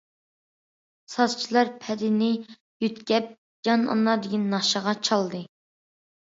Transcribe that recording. سازچىلار پەدىنى يۆتكەپ« جان ئانا» دېگەن ناخشىغا چالدى.